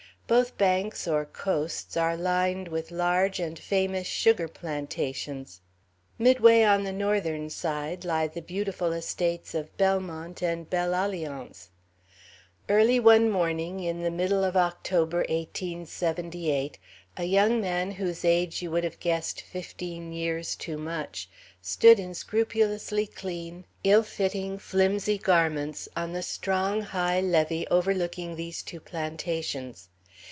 Both banks, or "coasts," are lined with large and famous sugar plantations. Midway on the northern side, lie the beautiful estates of "Belmont" and "Belle Alliance." Early one morning in the middle of October, 1878, a young man, whose age you would have guessed fifteen years too much, stood in scrupulously clean, ill fitting, flimsy garments, on the strong, high levee overlooking these two plantations.